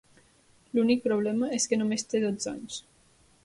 L'únic problema és que només té dotze anys.